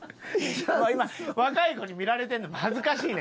今若い子に見られてるのも恥ずかしいねん。